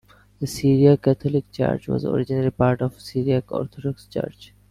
The Syriac Catholic Church was originally part of the Syriac Orthodox Church.